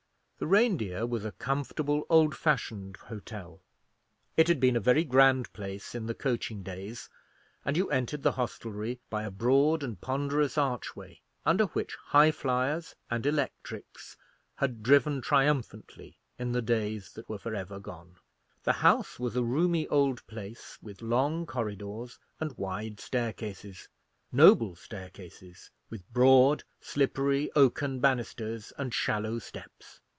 The Reindeer was a comfortable old fashioned hotel. It had been a very grand place in the coaching days, and you entered the hostelry by a broad and ponderous archway, under which Highflyers and Electrics had driven triumphantly in the days that were for ever gone. The house was a roomy old place, with long corridors and wide staircases; noble staircases, with broad, slippery, oaken banisters and shallow steps.